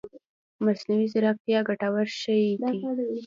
مصنوعي ځيرکتيا ګټور شی دی